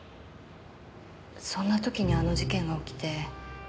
そんな時にあの事件が起きて。